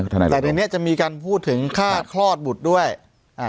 คุณธนายรณรงค์แต่ทีนี้จะมีการพูดถึงค่าคลอดบุตรด้วยอ่า